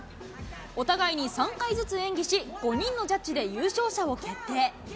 お互いに３回ずつ演技し、５人のジャッジで優勝者を決定。